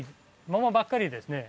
桃ばっかりですね。